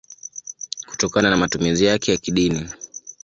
kutokana na matumizi yake ya kidini.